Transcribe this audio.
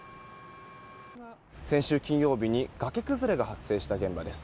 先週金曜日に崖崩れが発生した現場です。